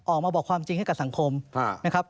ออกมาบอกความจริงให้กับสังคมนะครับ